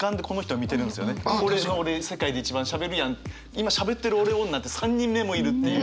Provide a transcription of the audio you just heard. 今しゃべってる俺おるなって３人目もいるっていう。